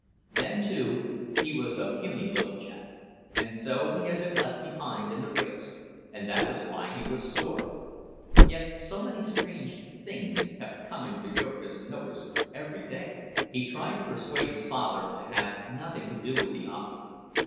Then, too, he was a puny little chap; and so he had been left behind in the race, and that was why he was sore. And yet so many strange things kept coming to Jurgis' notice every day! He tried to persuade his father to have nothing to do with the offer.